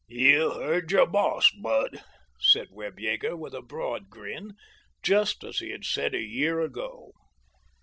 "You hear your boss, Bud," said Webb Yeager, with a broad grin—just as he had said a year ago.